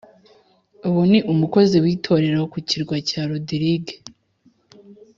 Ubu ni umukozi w itorero ku kirwa cya Rodirige